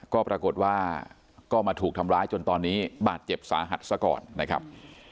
ก็ปรากฏว่าก็มาถูกทำร้ายจนตอนนี้บาดเจ็บสาหัสซะก่อนนะครับ